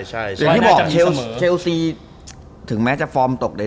เหถือบอกเชลซีถึงแม้จะฟอร์มตกใด